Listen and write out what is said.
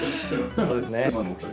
そうですね。